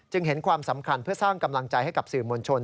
เห็นความสำคัญเพื่อสร้างกำลังใจให้กับสื่อมวลชน